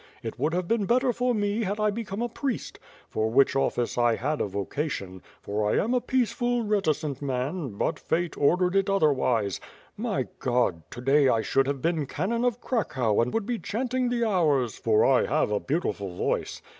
It would have been better for mc had I become a priest, for which WITH FIRE AND SWORD, 245 office I had a vocation, for I am a peaceful, reticent man, but fate ordered it otherwise. My God! To day I should have been canon of Cracow and would be chanting the hours, for I have a beautiful voice.